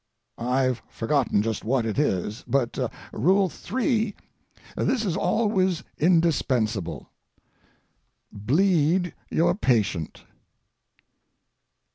I've forgotten just what it is, but— Rule 3. This is always indispensable: Bleed your patient.